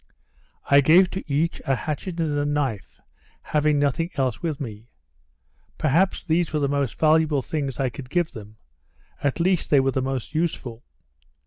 I gave to each a hatchet and a knife, having nothing else with me: Perhaps these were the most valuable things I could give them, at least they were the most useful.